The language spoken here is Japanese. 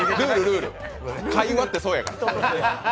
会話ってそうやから。